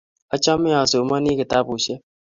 Achame asomani kitabushek